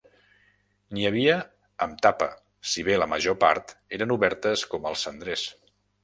N'hi havia amb tapa, si bé la major part eren obertes com els cendrers.